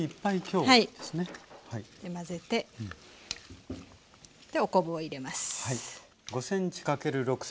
混ぜてでお昆布を入れます。